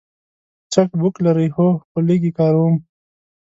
چک بوک لرئ؟ هو، خو لږ یی کاروم